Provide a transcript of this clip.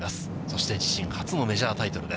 そして自身初のメジャータイトル